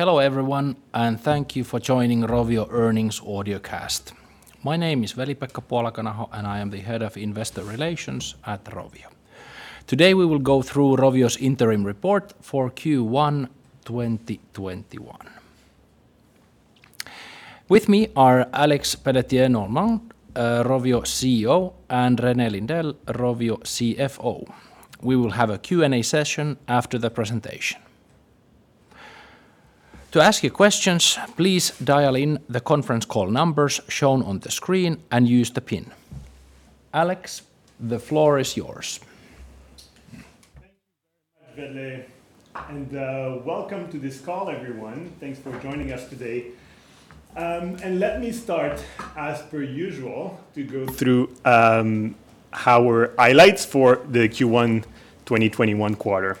Hello everyone, thank you for joining Rovio Earnings Audio Cast. My name is Veli-Pekka Puolakanaho, I am the Head of Investor Relations at Rovio. Today we will go through Rovio's interim report for Q1 2021. With me are Alexandre Pelletier-Normand, Rovio CEO, René Lindell, Rovio CFO. We will have a Q&A session after the presentation. To ask your questions, please dial in the conference call numbers shown on the screen and use the pin. Alex, the floor is yours. Thank you very much, Veli, welcome to this call everyone. Thanks for joining us today. Let me start as per usual to go through our highlights for the Q1 2021 quarter.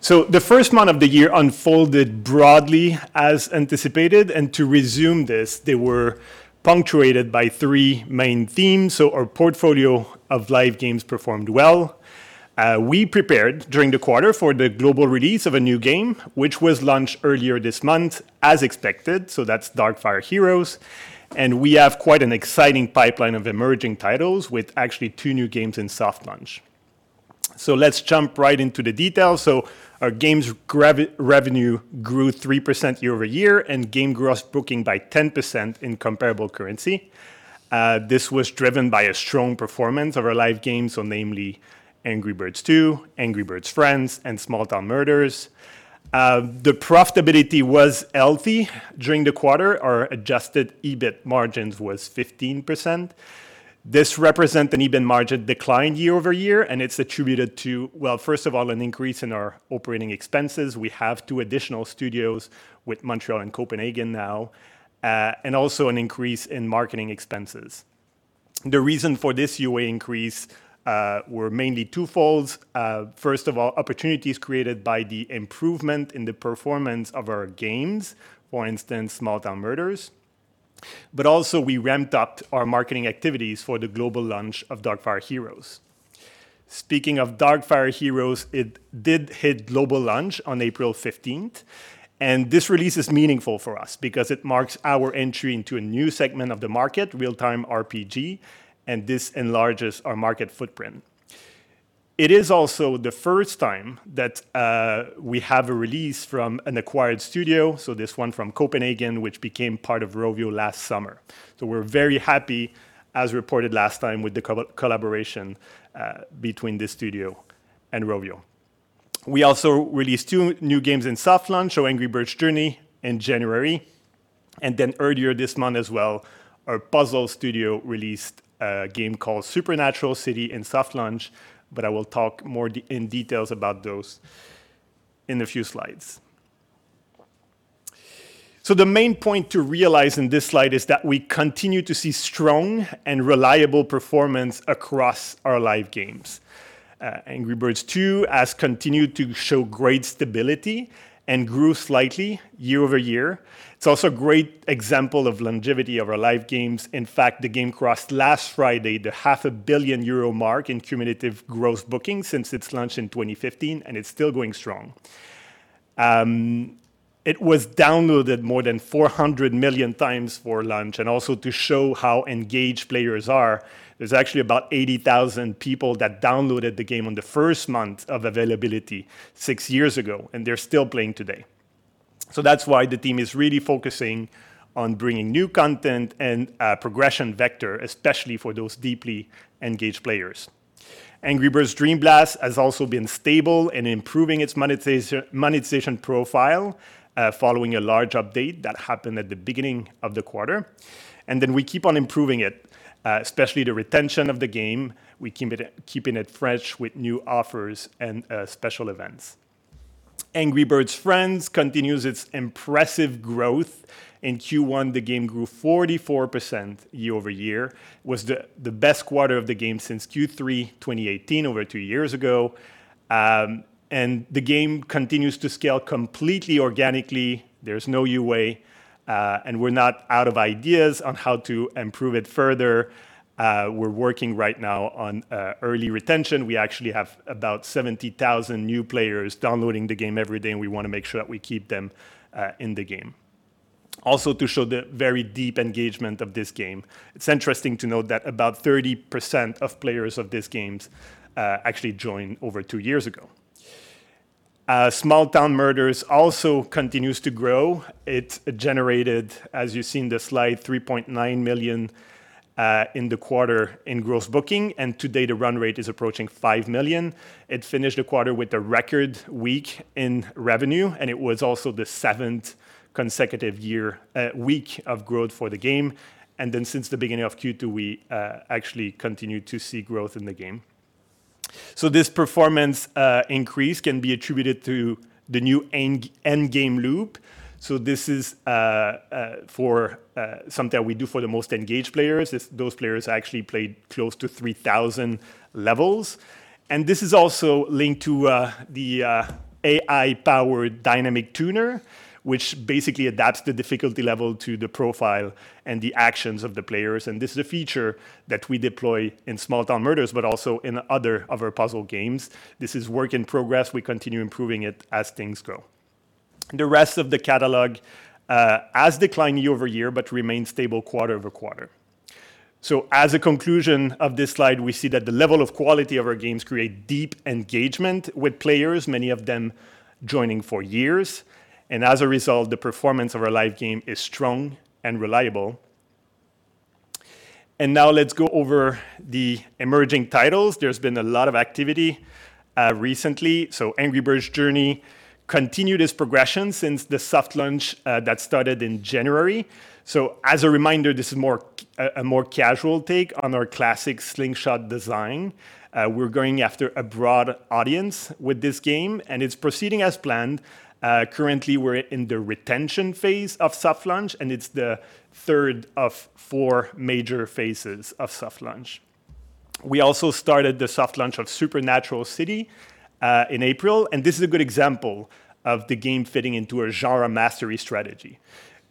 The first month of the year unfolded broadly as anticipated, and to resume this, they were punctuated by three main themes. Our portfolio of live games performed well. We prepared during the quarter for the global release of a new game, which was launched earlier this month as expected. That's Darkfire Heroes, and we have quite an exciting pipeline of emerging titles with actually two new games in soft launch. Let's jump right into the details. Our games revenue grew 3% year-over-year, and game gross booking by 10% in comparable currency. This was driven by a strong performance of our live games, namely Angry Birds 2, Angry Birds Friends, and Small Town Murders. The profitability was healthy during the quarter. Our adjusted EBIT margins was 15%. This represent an EBIT margin decline year-over-year, and it's attributed to, well, first of all, an increase in our operating expenses. We have two additional studios with Montreal and Copenhagen now, also an increase in marketing expenses. The reason for this UA increase were mainly twofolds. First of all, opportunities created by the improvement in the performance of our games, for instance, Small Town Murders, also we ramped up our marketing activities for the global launch of Darkfire Heroes. Speaking of Darkfire Heroes, it did hit global launch on April 15th, and this release is meaningful for us because it marks our entry into a new segment of the market, real-time RPG, and this enlarges our market footprint. It is also the first time that we have a release from an acquired studio, so this one from Copenhagen, which became part of Rovio last summer. We're very happy, as reported last time, with the collaboration between this studio and Rovio. We also released two new games in soft launch, so Angry Birds Journey in January, and then earlier this month as well, our puzzle studio released a game called Supernatural City in soft launch, but I will talk more in details about those in a few slides. The main point to realize in this slide is that we continue to see strong and reliable performance across our live games. Angry Birds 2 has continued to show great stability and grew slightly year-over-year. It's also a great example of longevity of our live games. In fact, the game crossed last Friday the half a billion euro mark in cumulative gross bookings since its launch in 2015, and it's still going strong. It was downloaded more than 400 million times for launch, and also to show how engaged players are, there's actually about 80,000 people that downloaded the game on the first month of availability six years ago, and they're still playing today. That's why the team is really focusing on bringing new content and progression vector, especially for those deeply engaged players. Angry Birds Dream Blast has also been stable in improving its monetization profile following a large update that happened at the beginning of the quarter. We keep on improving it, especially the retention of the game. We're keeping it fresh with new offers and special events. Angry Birds Friends continues its impressive growth. In Q1, the game grew 44% year-over-year, was the best quarter of the game since Q3 2018, over two years ago. The game continues to scale completely organically. There's no UA, and we're not out of ideas on how to improve it further. We're working right now on early retention. We actually have about 70,000 new players downloading the game every day, and we want to make sure that we keep them in the game. To show the very deep engagement of this game, it's interesting to note that about 30% of players of these games actually joined over two years ago. Small Town Murders also continues to grow. It generated, as you see in the slide, 3.9 million in the quarter in gross booking, and today the run rate is approaching 5 million. It finished the quarter with a record week in revenue, and it was also the seventh consecutive week of growth for the game. Since the beginning of Q2, we actually continued to see growth in the game. This performance increase can be attributed to the new end game loop. This is something we do for the most engaged players. Those players actually played close to 3,000 levels. This is also linked to the AI-powered dynamic tuner, which basically adapts the difficulty level to the profile and the actions of the players. This is a feature that we deploy in Small Town Murders, but also in other of our puzzle games. This is work in progress. We continue improving it as things go. The rest of the catalog has declined year-over-year but remains stable quarter-over-quarter. As a conclusion of this slide, we see that the level of quality of our games create deep engagement with players, many of them joining for years. As a result, the performance of our live game is strong and reliable. Now let's go over the emerging titles. There's been a lot of activity recently. Angry Birds Journey continued its progression since the soft launch that started in January. As a reminder, this is a more casual take on our classic slingshot design. We're going after a broad audience with this game, and it's proceeding as planned. Currently, we're in the retention phase of soft launch, and it's the third of four major phases of soft launch. We also started the soft launch of Supernatural City in April, and this is a good example of the game fitting into a genre mastery strategy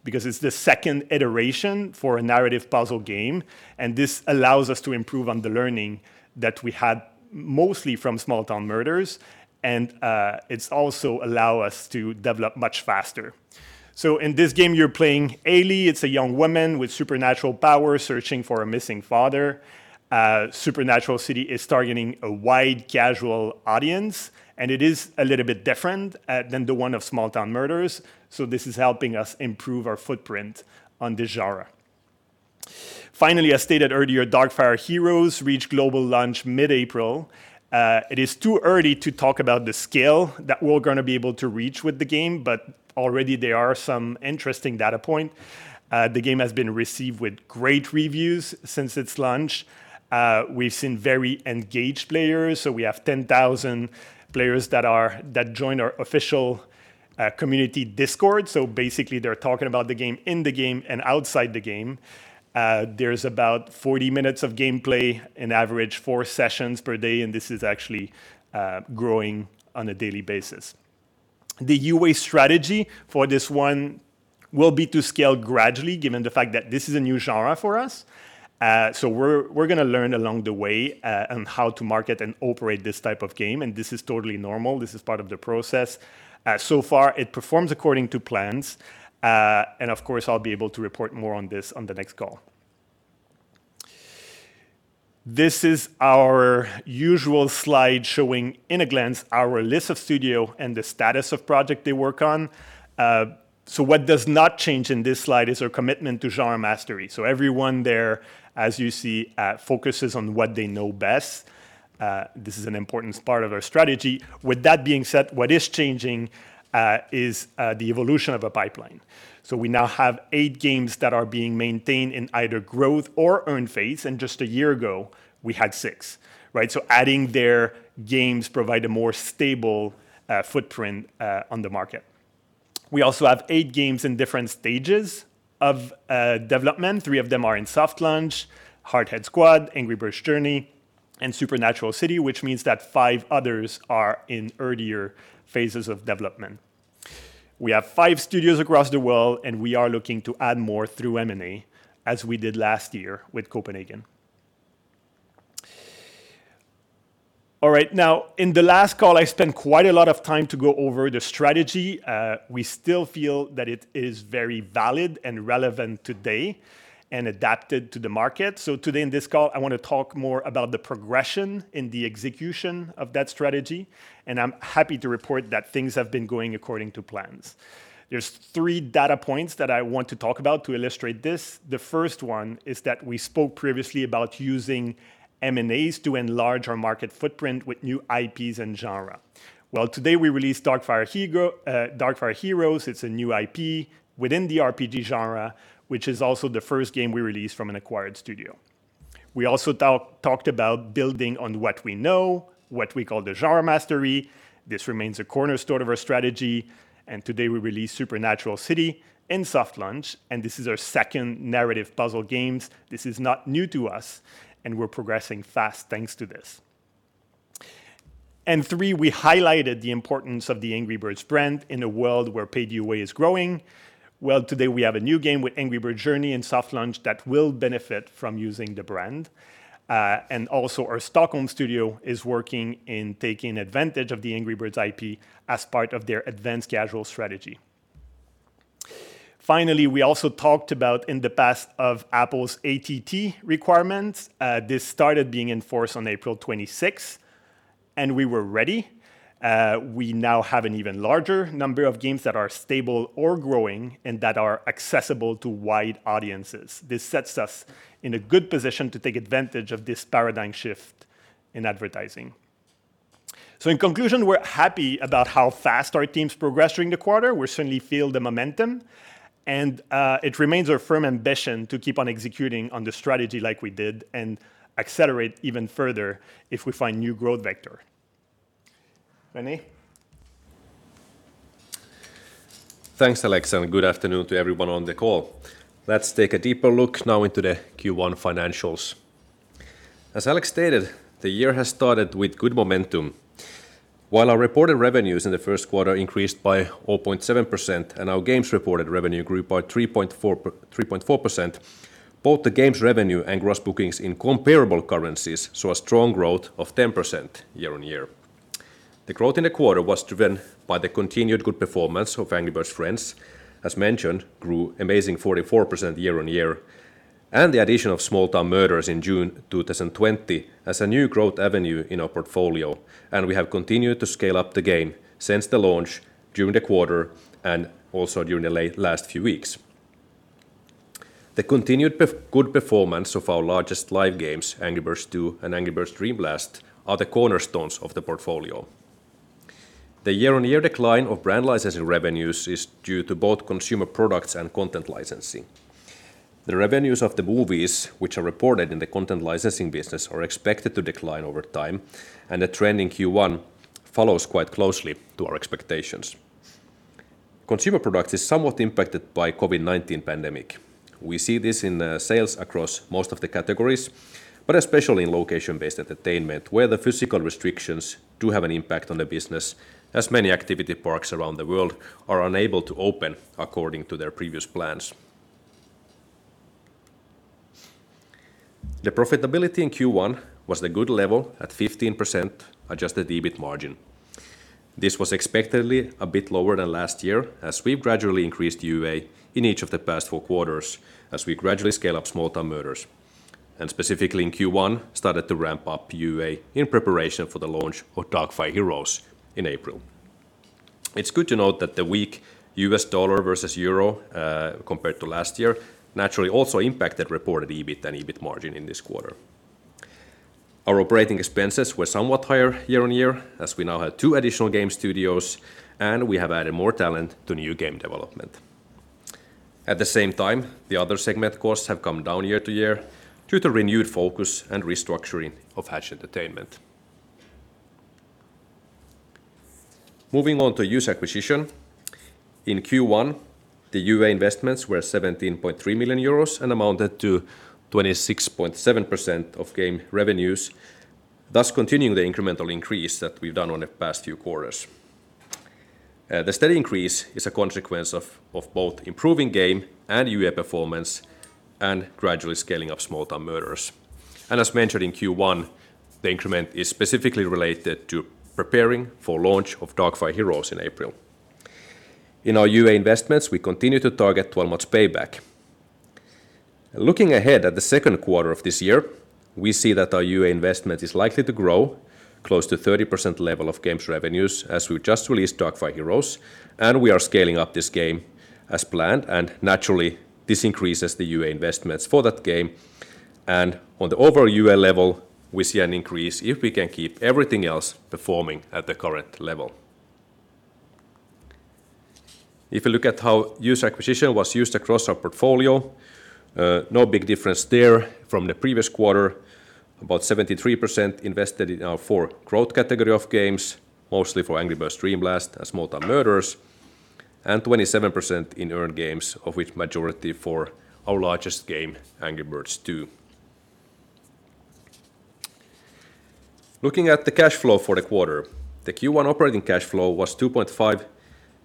because it's the second iteration for a narrative puzzle game, and this allow us to improve on the learning that we had mostly from Small Town Murders. It also allow us to develop much faster. In this game, you're playing Ellie. It's a young woman with supernatural powers searching for her missing father. Supernatural City is targeting a wide casual audience. It is a little bit different than the one of Small Town Murders. This is helping us improve our footprint on the genre. Finally, as stated earlier, Darkfire Heroes reached global launch mid-April. It is too early to talk about the scale that we're going to be able to reach with the game. Already there are some interesting data points. The game has been received with great reviews since its launch. We've seen very engaged players. We have 10,000 players that joined our official community Discord. Basically, they're talking about the game in the game and outside the game. There's about 40 minutes of gameplay on average, four sessions per day. This is actually growing on a daily basis. The UA strategy for this one will be to scale gradually, given the fact that this is a new genre for us. We're going to learn along the way on how to market and operate this type of game, and this is totally normal. This is part of the process. Far, it performs according to plans. Of course, I'll be able to report more on this on the next call. This is our usual slide showing in a glance our list of studio and the status of project they work on. What does not change in this slide is our commitment to genre mastery. Everyone there, as you see, focuses on what they know best. This is an important part of our strategy. With that being said, what is changing is the evolution of a pipeline. We now have eight games that are being maintained in either growth or earn phase, and just a year ago, we had six. Right? Adding their games provide a more stable footprint on the market. We also have eight games in different stages of development. Three of them are in soft launch, Hardhead Squad, Angry Birds Journey, and Supernatural City, which means that five others are in earlier phases of development. We have five studios across the world, and we are looking to add more through M&A, as we did last year with Copenhagen. All right. In the last call, I spent quite a lot of time to go over the strategy. We still feel that it is very valid and relevant today and adapted to the market. Today in this call, I want to talk more about the progression in the execution of that strategy, and I'm happy to report that things have been going according to plans. There's three data points that I want to talk about to illustrate this. The first one is that we spoke previously about using M&As to enlarge our market footprint with new IPs and genre. Well, today we released Darkfire Heroes. It's a new IP within the RPG genre, which is also the first game we released from an acquired studio. We also talked about building on what we know, what we call the genre mastery. This remains a cornerstone of our strategy, and today we released Supernatural City in soft launch, and this is our second narrative puzzle games. This is not new to us, and we're progressing fast thanks to this. Three, we highlighted the importance of the Angry Birds brand in a world where paid UA is growing. Today we have a new game with Angry Birds Journey in soft launch that will benefit from using the brand. Also our Stockholm studio is working in taking advantage of the Angry Birds IP as part of their advanced casual strategy. Finally, we also talked about in the past of Apple's ATT requirements. This started being enforced on April 26th, and we were ready. We now have an even larger number of games that are stable or growing and that are accessible to wide audiences. This sets us in a good position to take advantage of this paradigm shift in advertising. In conclusion, we're happy about how fast our team's progressed during the quarter. We certainly feel the momentum, and it remains our firm ambition to keep on executing on the strategy like we did and accelerate even further if we find new growth vector. René? Thanks, Alex, and good afternoon to everyone on the call. Let's take a deeper look now into the Q1 financials. As Alex stated, the year has started with good momentum. While our reported revenues in the first quarter increased by 0.7% and our games reported revenue grew by 3.4%, both the games revenue and gross bookings in comparable currencies saw a strong growth of 10% year-over-year. The growth in the quarter was driven by the continued good performance of Angry Birds Friends, as mentioned, grew an amazing 44% year-over-year, and the addition of Small Town Murders in June 2020 as a new growth avenue in our portfolio, and we have continued to scale up the game since the launch during the quarter and also during the last few weeks. The continued good performance of our largest live games, Angry Birds 2 and Angry Birds Dream Blast, are the cornerstones of the portfolio. The year-on-year decline of brand licensing revenues is due to both consumer products and content licensing. The revenues of the movies, which are reported in the content licensing business, are expected to decline over time, and the trend in Q1 follows quite closely to our expectations. Consumer products is somewhat impacted by COVID-19 pandemic. We see this in sales across most of the categories, but especially in location-based entertainment where the physical restrictions do have an impact on the business, as many activity parks around the world are unable to open according to their previous plans. The profitability in Q1 was at a good level at 15% adjusted EBIT margin. This was expectedly a bit lower than last year as we've gradually increased UA in each of the past four quarters as we gradually scale up Small Town Murders. Specifically in Q1, started to ramp up UA in preparation for the launch of Darkfire Heroes in April. It's good to note that the weak US dollar versus euro, compared to last year, naturally also impacted reported EBIT and EBIT margin in this quarter. Our operating expenses were somewhat higher year-on-year as we now have two additional game studios and we have added more talent to new game development. At the same time, the other segment costs have come down year-to-year due to renewed focus and restructuring of Hatch Entertainment. Moving on to user acquisition. In Q1, the UA investments were 17.3 million euros and amounted to 26.7% of game revenues, thus continuing the incremental increase that we've done on the past few quarters. The steady increase is a consequence of both improving game and UA performance and gradually scaling up Small Town Murders. As mentioned in Q1, the increment is specifically related to preparing for launch of Darkfire Heroes in April. In our UA investments, we continue to target 12 months payback. Looking ahead at the second quarter of this year, we see that our UA investment is likely to grow close to 30% level of games revenues as we've just released Darkfire Heroes, and we are scaling up this game as planned, and naturally, this increases the UA investments for that game. On the overall UA level, we see an increase if we can keep everything else performing at the current level. If you look at how user acquisition was used across our portfolio, no big difference there from the previous quarter. About 73% invested in our four growth category of games, mostly for Angry Birds Dream Blast and Small Town Murders, and 27% in earn games, of which majority for our largest game, Angry Birds 2. Looking at the cash flow for the quarter, the Q1 operating cash flow was 2.5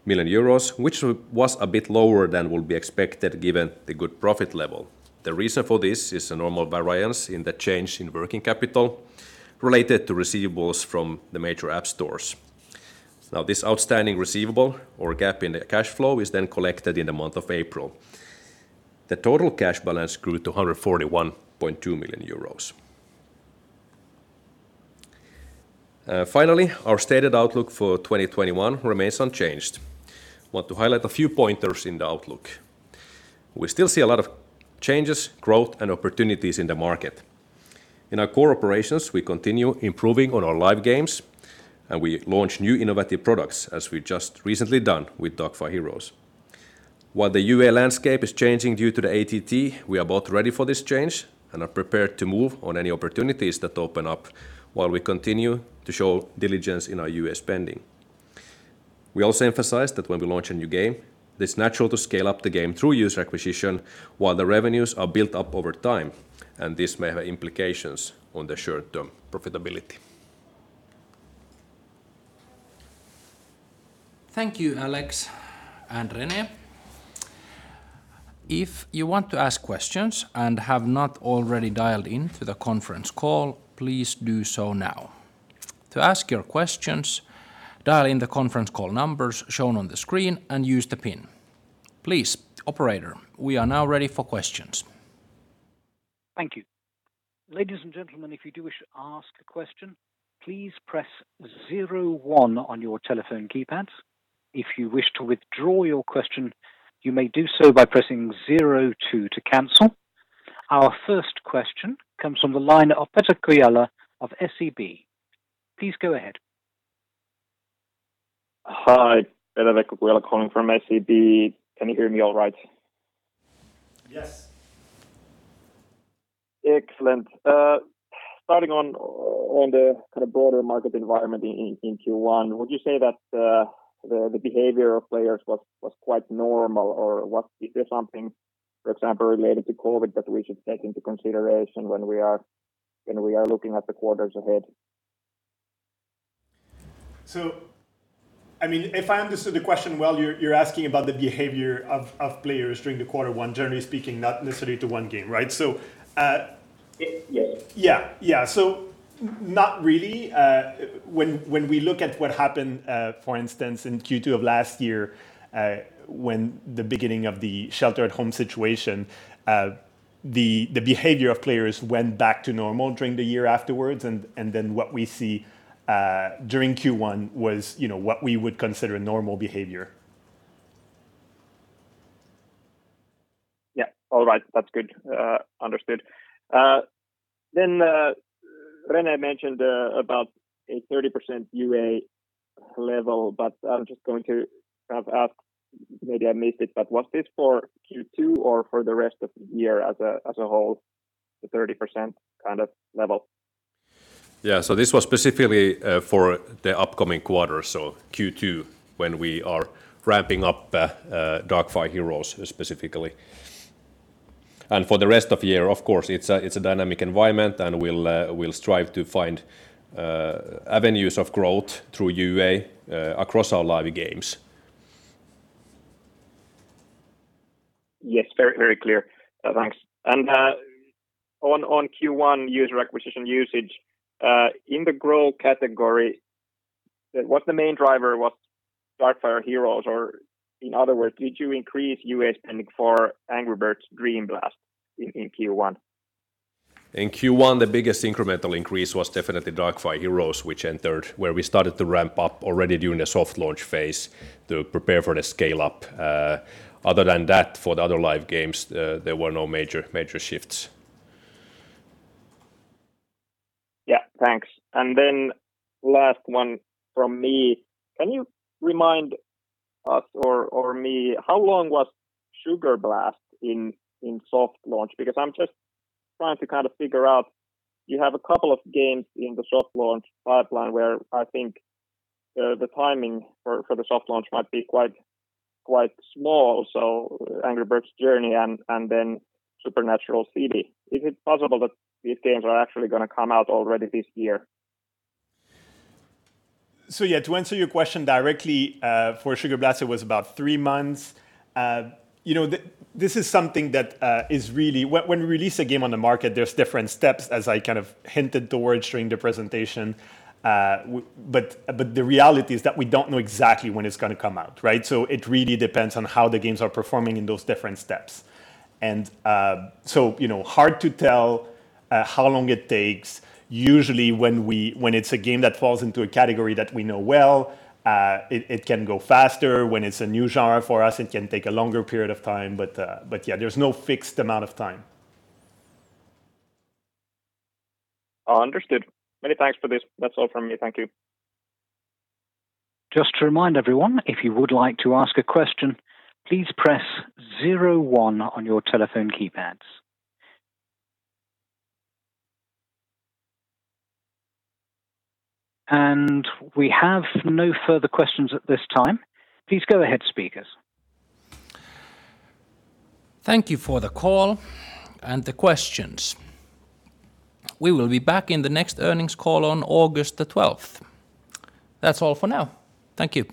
million euros, which was a bit lower than would be expected given the good profit level. The reason for this is a normal variance in the change in working capital related to receivables from the major app stores. This outstanding receivable or gap in the cash flow is then collected in the month of April. The total cash balance grew to 141.2 million euros. Finally, our stated outlook for 2021 remains unchanged. I want to highlight a few pointers in the outlook. We still see a lot of changes, growth, and opportunities in the market. In our core operations, we continue improving on our live games and we launch new innovative products, as we've just recently done with Darkfire Heroes. While the UA landscape is changing due to the ATT, we are both ready for this change and are prepared to move on any opportunities that open up while we continue to show diligence in our UA spending. We also emphasize that when we launch a new game, it's natural to scale up the game through user acquisition while the revenues are built up over time, and this may have implications on the short-term profitability. Thank you, Alex and René. If you want to ask questions and have not already dialed in to the conference call, please do so now. To ask your questions, dial in the conference call numbers shown on the screen and use the pin. Please, operator, we are now ready for questions. Thank you. Ladies and gentlemen, if you do wish to ask a question, please press zero one on your telephone keypads. If you wish to withdraw your question, you may do so by pressing zero two to cancel. Our first question comes from the line of Pete Kujala of SEB. Please go ahead. Hi. Pete Kujala calling from SEB. Can you hear me all right? Yes. Excellent. Starting on the broader market environment in Q1, would you say that the behavior of players was quite normal? Was there something, for example, related to COVID that we should take into consideration when we are looking at the quarters ahead? If I understood the question well, you're asking about the behavior of players during the quarter one, generally speaking, not necessarily to one game, right? Yeah. Yeah. Not really. When we look at what happened, for instance, in Q2 of last year when the beginning of the shelter at home situation, the behavior of players went back to normal during the year afterwards. What we see during Q1 was what we would consider normal behavior. Yeah. All right. That's good. Understood. René mentioned about a 30% UA level, but I'm just going to ask, maybe I missed it, but was this for Q2 or for the rest of the year as a whole, the 30% kind of level? Yeah. This was specifically for the upcoming quarter, Q2, when we are ramping up Darkfire Heroes specifically. For the rest of year, of course, it's a dynamic environment, and we'll strive to find avenues of growth through UA across our live games. Yes. Very clear. Thanks. On Q1 user acquisition usage, in the grow category, what's the main driver? Was Darkfire Heroes, or in other words, did you increase UA spending for Angry Birds Dream Blast in Q1? In Q1, the biggest incremental increase was definitely Darkfire Heroes, which entered where we started to ramp up already during the soft launch phase to prepare for the scale-up. Other than that, for the other live games, there were no major shifts. Yeah. Thanks. Then last one from me. Can you remind us or me how long was Sugar Blast in soft launch? I'm just trying to figure out, you have a couple of games in the soft launch pipeline where I think the timing for the soft launch might be quite small. Angry Birds Journey and then Supernatural City. Is it possible that these games are actually going to come out already this year? Yeah, to answer your question directly, for Sugar Blast, it was about three months. When we release a game on the market, there's different steps, as I kind of hinted towards during the presentation. The reality is that we don't know exactly when it's going to come out, right? It really depends on how the games are performing in those different steps. Hard to tell how long it takes. Usually when it's a game that falls into a category that we know well, it can go faster. When it's a new genre for us, it can take a longer period of time. Yeah, there's no fixed amount of time. Understood. Many thanks for this. That's all from me. Thank you. Just to remind everyone, if you would like to ask a question, please press zero one on your telephone keypads. We have no further questions at this time. Please go ahead, speakers. Thank you for the call and the questions. We will be back in the next earnings call on August the 12th. That's all for now. Thank you.